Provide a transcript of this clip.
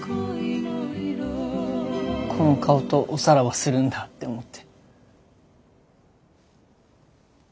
この顔とおさらばするんだって思って。